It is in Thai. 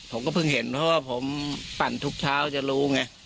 ผมก็เพิ่งเห็นเพราะว่าผมปั่นทุกเช้าจะรู้ไง